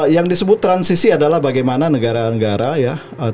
yang disebut transisi adalah bagaimana negara negara ya